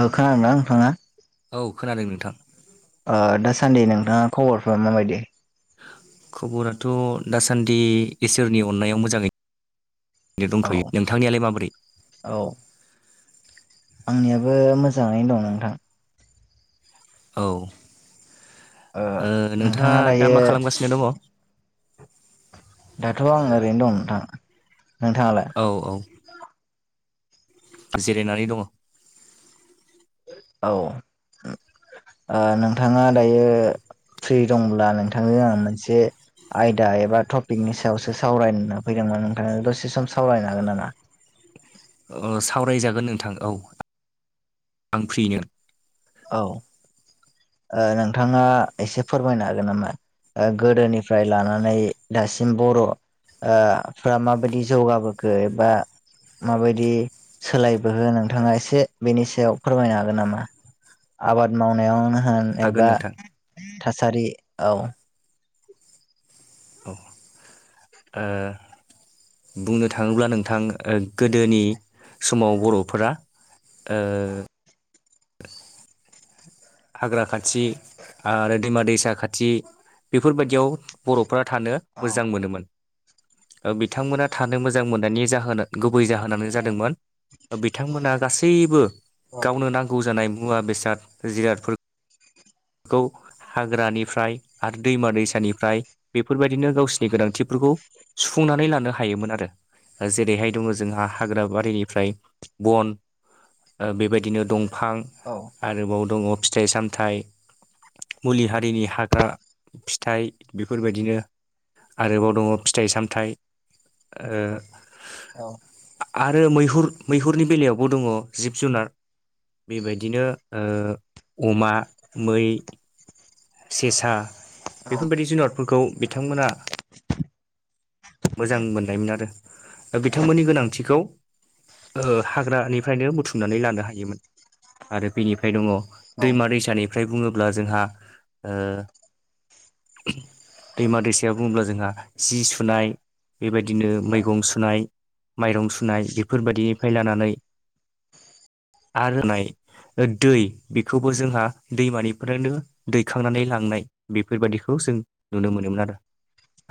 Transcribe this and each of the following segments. खोनादोंना नोंथाङा? औ खोनादों नोंथां दाासान्दि नोंथाङा खबरफ्रा माबायदि? खबराथ' दासान्दि इसोरनि अननायाव मोजाङै औ दंथ'यो नोंथांनियालाय माबोरै? औ आंनियाबो मोजाङैनो दं नोंथां। औ ओ नोंथाङा दा मा खालामगासिनो दङ? दाथ' आं ओरैनो दं नोंथां नोंथाङालाय औ औ जिरायनानै दङ औ नोंथाङा दायो फ्रि दंब्ला नोंथांजों आं मोनसे आयदा एबा टपिकनि सायावसो सावरायना फैदोंमोन ओंखायनो दसे सम सावरायनो हागोन नामा? सावरायजागोन नोंथां औ आं फ्रिनो औ नोंथाङा एसे फोरमायनो हागोन नामा? गोदोनिफ्राय लानानै दासिम बर' ओ फ्रा माबायदि जौगाबोखो एबा माबायदि सोलायबोहो नोंथाङा एसे बेनि सायाव फोरमायनो हागोन नामा? आबाद मावनायावनो होन हागोन एबा नोंथां थासारि औ औ ो बुंनो थाङोब्ला नोंथां गोदोनि समाव बर'फोरा ओ हाग्रा खाथि आरो दैमा दैसा खाथि बेफोरबायदियाव बर'फ्रा थानो औ मोजां मोनोमोन। ओ बिथांमोना थानो मोजां मोननायनि जाहोन गुबै जाहोनानो जादोंमोन। बिथांमोना गासैबो औ गावनो नांगौ जानाय मुवा बेसाद जिरादफोर खौ हाग्रानिफ्राय आरो दैमा दैसानिफ्राय बेफोरबायदिनो गावसिनि गोनांथिफोरखौ सुफुंनानै लानो हायोमोन आरो जेरैहाय दङ जोंहा हाग्रा बारिनिफ्राय बन बेबायदिनो दंफां औ आरोबाव दङ फिथाइ सामथाइ मुलि हारिनि हाग्रा फिथाइ बेफोरबायदिनो आरोबाव दङ फिथाइ सामथाइ ओ औ आरो मैहुर मैहुरनि बेलायावबो दङ जिब जुनार बेबायदिनो ओ अमा मै सेसा औ बेफोरबायदि जुनारफोरखौ बिथांमोना मोजां मोननायमोन आरो दा बिथांमोननि गोनांथिखौ ओ हाग्रानिफ्रायनो बुथुमनानै लानो हायोमोन आरो बिनिफ्राय दङ दैमा दैसानिफ्राय बुङोब्ला जोंहा ओ दैमा दैसाया बुङोब्ला जोंहा जि सुनाय बेबायदिनो मैगं सुनाय माइरं सुनाय बेफोरबायदिनिफ्राय लानानै आरो नाय [unintelligible] होनाय दै बेखौबो जोंहा दैमानिफोरनो थिखांनानै लांनाय बेफोरबायदिखौ जों नुनो मोनोमोन आरो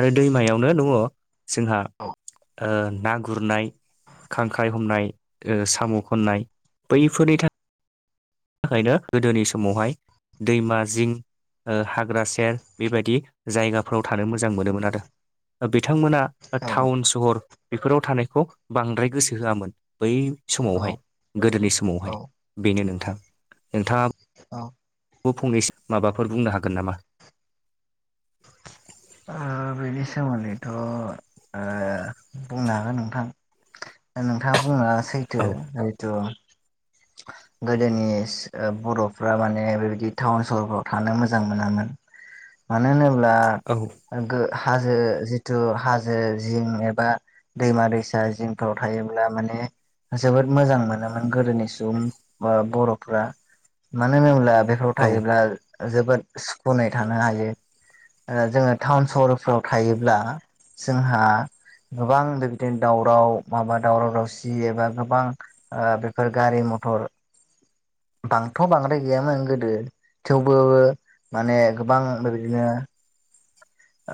आरो दैमायावनो दङ जोंहा ओ ना गुरनाय खांख्राइ हमनाय ओ साम' खननाय बैफोरनि था खायनो गोदोनि समावहाय दैमा जिं ओ हाग्रा सेर बेबायदि जायगाफोराव थानो मोजां मोनोमोन आरो बिथांमोना टाउन सहर बेफोराव थानायखौ बांद्राय गोसो होआमोन बै औ समावहाय गोदोनि औ समावहाय बेनो नोंथां नोंथाङा [unintelligible] फंनैसो माबाफोर बुंनो हागोन नामा? ओ बेनि सोमोन्दैथ' ओ बुंनो हागोन नोंथां दा नोंथाङा बुंनाया सैथो औ हैथ' गोदोनि बर'फ्रा माने बेबायदि टाउन सहरफ्राव थानो मोजां मोनामोन। मानो होनोब्ला औ गो हाजो जिथु हाजो जिं एबा दैमा दैसा जिं फ्राव थायोब्ला माने जोबोद मोजां मोनोमोन गोदोनि सुबुं बा बर'फ्रा मानो होनोब्ला बे फ्राव औ थायोब्ला जोबोद सुखुुनै थानो हायो। ओ जोङो टाउन सहरफ्राव थायोब्ला जोंहा गोबां बिदिनो दावराव माबा दावराव दावसि एबा गोबां ओ बेफोर गारि मथर बांथ' बांद्राय गैयामोन गोदो थेवबो माने गोबां ओरैनो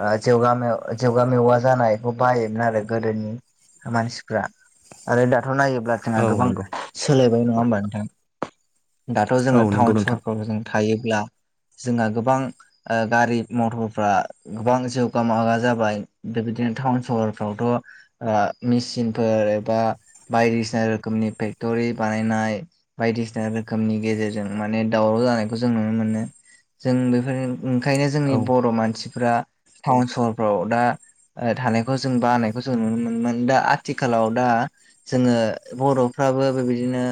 आ जेवगा मेव जेवगा मेवा जानायखौ बाहायोमोन आरो गोदोनि मानसिफ्रा आरो दाथ नायोब्ला जोंहा औ गोबां नंगौ सोलायबाय नङा होमबा नोंथां दाथ औ जोङो नंगौ टाउन नोंथां सहरफ्राव जों थायोब्ला जोंहा गोबां ओ गारि मथरफ्रा गोबां जौगा मागा जाबाय बेबायदिनो टाउन सहरफ्रावथ ओ मेसिनफोर एबा बायदिसिना रोखोमनि फेक्टरि बानायनाय बायदिसिना रोखोमनि गेजेरजों माने दावराव जानायखौ जों नुनो मोनो जों बेफोरजों ओंखायनो जोंनि औ बर' मानसिफ्रा टाउन सहरफ्राव दा थानायखौ जों बानायखौ जों नुनो मोनोमोन दा आथिखालाव दा जोङो बर'फ्राबो बेबायदिनो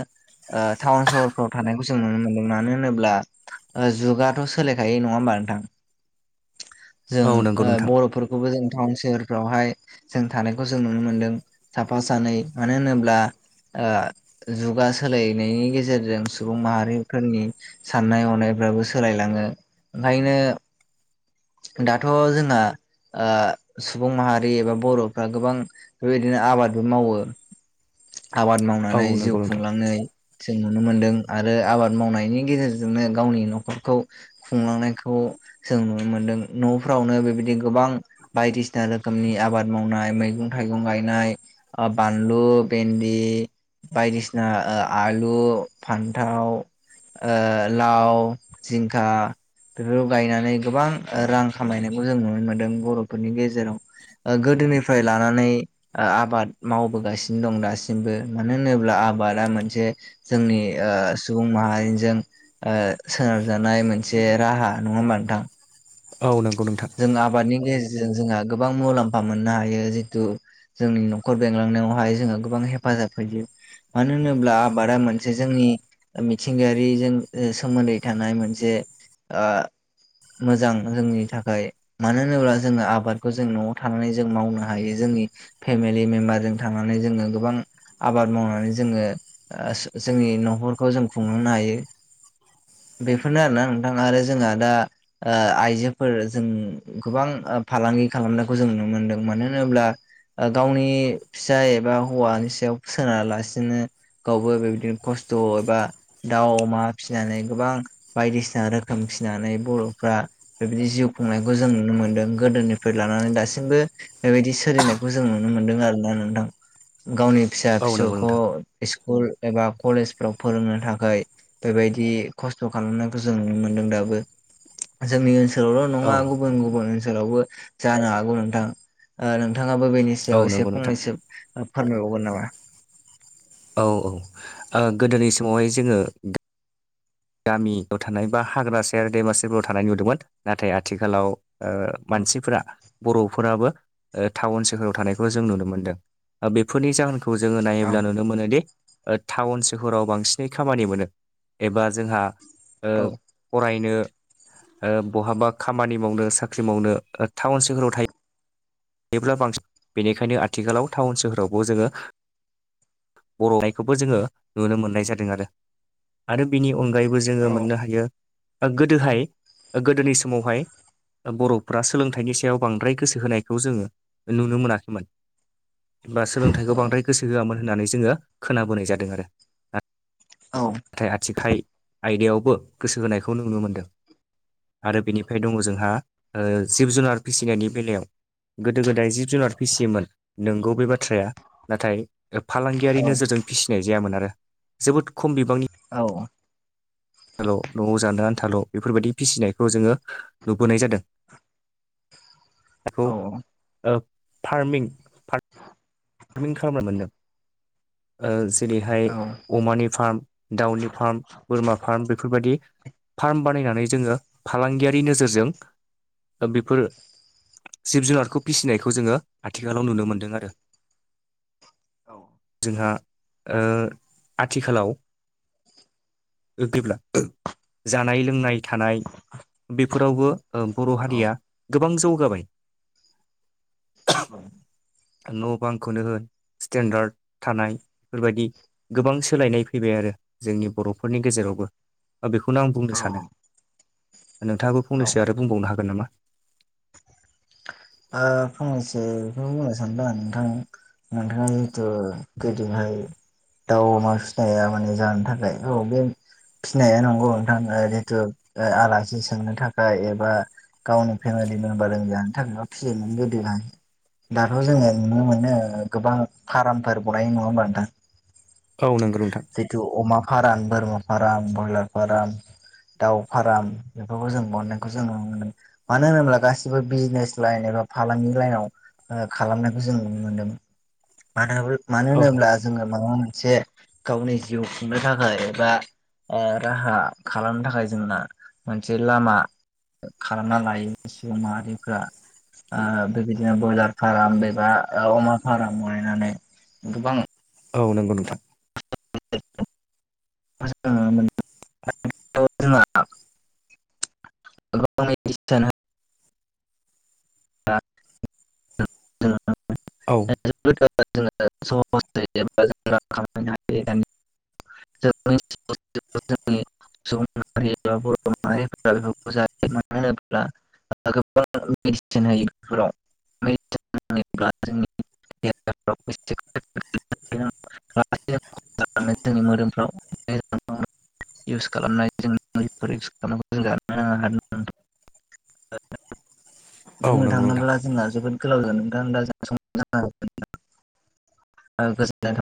ओ टाउन सहरफ्राव थानायखौ जों नुनो मोनदों मानो होनोब्ला जुगाथ सोलायखायो नङा होमबा नोंथां जों औ नंगौ ओ नोंथां बर'फोरखौबो जों टाउन सोहोरफ्रावहाय जों थानायखौ जों नुनो मोनदों साफा सानै मानो होनोब्ला ओ जुगा सोलायनायनि गेजेरजों सुबुं माहारिफोरनि साननाय हनायफ्राबो सोलायलाङो ओंखायनो दाथ जोंना ओ सुबुं माहारि एबा बर'फ्रा गोबां बेबायदिनो आबादबो मावो आबाद औ मावनानै जिउ नंगौ नोंथां खुंलांयै जों नुनो मोनदों आरो आबाद मावनायनि गेजेरजोंनो गावनि न'खरखौ खुंलांनायखौ जों नुनो मोन्दों न'फ्रावनो बेबायदि गोबां बायदिसिना रोखोमनि आबाद मावनाय मैगं थाइगं गायनाय अ बानलु भेन्दि बायदिसिना आलु फान्थाव ओ लाव जिंखा बेफोरखौ गायनानै गोबां ओ रां खामायनायखौ जों नुनो मोन्दों बर'फोरनि गेजेराव गोदोनिफ्राय लानानै आबाद मावबोगासिनो दं दासिमबो मानो होनोब्ला आबादा मोनसे जोंनि ओ सुबुं माहारिजों ओ सोनारजानाय मोनसे राहा नङा होमबा नोंथां औ नों जों आबादनि गेजेरजों जोंहा गोबां मुलाम्फा मोननो हायो जितु जोंनि न'खर बेंलांनायावहाय जोंङहा गोबां हेफाजाब होैयो मानो होनोब्ला आबादा मोनसे जोंनि मिथिंगायारिजों सोमोन्दै थानाय मोनसे ओ मोजां जोंनि थाखा य मानो होनोब्ला जोङो आबादखौ जों न'आव थानानै जों मावनो हायो जोंनि फेमिलि मेम्बारजों थांनानै जोङो गोबां आबाद मावनानै जोङो ओ सो जोंनि न'खरखौ जों खुंलांनो हायो बेफोरनो आरोना नोंथां आरो जोंहा दा आ आइजोफोर जों गोबां फालांगि खालामनायखौ जों नुनो मोनदों मानो होनोब्ला गावनि फिसाय एबा हौवानि सायाव सोना लासिनो गावबो बेबायदिनो खस्थ एबा दाउ अमा फिसिनानै गोबां बायदिसिना रोखोम फिसिनानै बर'फ्रा बेबायदि जिउ खुंनायखौ जों नुनो मोनदों गोदोनिफ्राय लानानै दासिमबो बेबायदि सोलिनायखौ जों नुनो मोनदों आरोना नोंथां गावनि फिसा औ नंगौ फिसौखौ नोंथां स्कुल एबा कलेजफ्राव फोरोंनो थाखाय बेबायदि खस्थ खालामनायखौ जों नुनो मोनदों दाबो जोंनि ओनसोलावल न औ ङा गुबुन गुबुन ओनसोलावबो जानो हागौ नोंथां नोंथाङाबो बेनि औ सायाव एसे नंगौ नोंथां फंनैसो फोरमायबावगोन नामा औ औ ओ गोदोनि समावहाय जोङो गामियाव थानाय बा हाग्रा सेर देमासिफोराव थानाय नुदोंमोन नाथाय आथिखालाव ओ औ मानसिफोरा बर'फोराबो ओ टाउन सोहराव थानायखौ जों नुनो मोनदों बेफोरनि जाउ खौ जोङो औ नायोब्ला नुनो मोनोदि ओ टाउन सोहोराव बांसिनै खामानि मोनो एबा जोंहा ओ औ फरायनो ओ बहाबा खामानि मावनो साख्रि मावनो टाउन सोहोराव थायो थब्ला बांसिन बेनिखायनो आथिखालाव टाउन सोहोरावबो जोङो बर'इखौबो जोङो नुनो मोननाय जादों आरो। आरो बिनि अनगायैबो जोङो औ मोननो हायो ओ गोदोहाय गोदोनि समावहाय बर'फ्रा सोलोंथाइनि सायाव बांद्राय गोसो होनायखौ जोङो नुनो मोनाखैमोन। बा सोलोंथाइखौ बांद्राय गोसो होआमोन होननानै जोङो खोनाबोनाय जादों आरो। औ नाथाय आथिखाल आयदायावबो गोसो होनायखौ नुनो मोनदों। आरो बेनिफ्राय दङ जोंहा ओ जिब जुनार फिसिनायनि बेलायाव गोदो गोदाय जिब जुनार फिसियोमोन नोंगौ बे बाथ्राया नाथाय औ फालांगियारि नोजोरजों फिसिनाय जायामोन आरो जोबोद खम बिबांनि। औ आथाल' न'आव जानो आन्थाल' बेफोरबायदि फिसिनायखौ जोङो नुबोनाय जादों। बेखौ औ ओ फार्मिं फार्मिं खालामना मोन्दों ओ जेरैहाय औ अमानि फार्म दाउनि फार्म बोरमा फार्म बेफोरबायदि फार्म बानायनानै जोङो फालांगियारि नोजोरजों ओ बेफोर जिब जुनारखौ फिसिनायखौ जोङो आथिखालाव नुनो मोन्दों आरो ‌। औ जोंहा ओ आथिखालाव [unintelligible] गेब्ला जानाय लोंनाय थानाय बेफोरावबो ओ बर' हारिया गोबां जौगाबाय। न' बांखौनो होन स्टेन्डार्ड थानाय बेफोरबायदि गोबां सोलायनाय फैबाय आरो जोंनि बर'फोरनि गेजेरावबो। बेखौनो आं औ बुंनो सानो नोंथाङाबो फंनैसो आरो बुंबावनो हागोन नामा? ओ फंनैसो बेखौ बुंनो सानदों नोंथां। नोंथां जों गोदोहाय दाउ अमा फिनाया माने जानो थाखाय औ बे फिनाया नंगौ नोंथां जितु ओ आलासि सोंनो थाखाय एबा गावनि फेमिलि मेम्बारजों जानो थाखायबा फिसियोमोन गोदोहाय। दाथ' जोङो नुनो मोनो ओ गोबां फार्मफोर बानाय नङा होनोमबा नोंथां। औ नंगौ नोंथां। जितु अमा फार्म बोरमा फार्म ब्रयलार फार्म दाउ फार्म बेफोरखौ जों बननायखौ जों नुनो मोनो। मानो होनोब्ला गासिबो बिजनेस लाइन एबा फालांगि लाइनाव ओ खालामनायखौ जों नुनो मोन्दों मानो मानो औ होनोब्ला जोङो माबा मोनसे गावनि जिउ खुंनो थाखाय एबा ओ राहा खालामनो थाखाय जोंना मोनसे लामा खालामना लायो सुबुं माहारिफोरा्। ओ बेबायदिनो ब्रयलार फार्ाम एबा अमा फार्म गनायनानै गोबां औ नंगौ नोंथां। [unintelligible] [unintelligible] औ [unintelligible] [unintelligible] [unintelligible] [unintelligible] [unintelligible] [unintelligible] जोंनि [unintelligible] [unintelligible] जोंनि मोदोमफ्राव [unintelligible] औ बुंनो नंगौ नोंथां थाङोब्ला जोंना जोबोद [unintelligible]